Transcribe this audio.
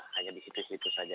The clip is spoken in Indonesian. hanya di situ situ saja